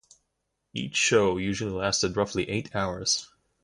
Each show usually lasted roughly eight hours.